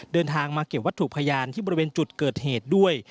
เดินทางมาเก็บวัตถุพยานที่บริเวณจุดเกิดเหตุด้วย